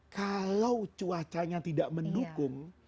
kalau cuacanya tidak mendukung